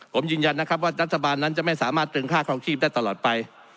ผมยืนยันนะครับว่ารัฐบาลนั้นจะไม่สามารถตรึงค่าครองชีพได้ตลอดไป